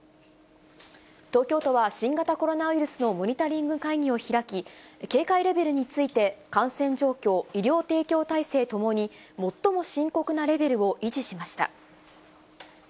東京都は、新型コロナウイルスのモニタリング会議を開き、警戒レベルについて、感染状況、医療提供体制ともに、最も深刻なレベルを維持しました。